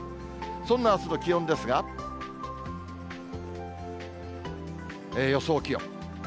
そんなあすの気温ですが、予想気温。